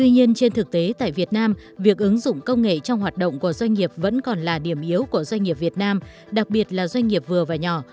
nhưng trên thực tế tại việt nam việc ứng dụng công nghệ trong hoạt động của doanh nghiệp vẫn còn là điểm yếu của doanh nghiệp việt nam đặc biệt là doanh nghiệp vừa và nhỏ